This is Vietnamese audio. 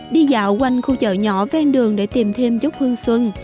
đi dạo quanh khu chợ nhỏ ven đường để tìm thêm chút hương xuân